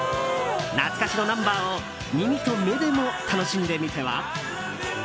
懐かしのナンバーを耳と目でも楽しんでみては？